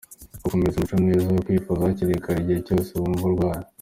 Gukomeza umuco mwiza wo kwivuza hakiri kare igihe cyose wumva urwaye.